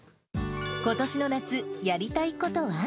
ことしの夏、やりたいことは？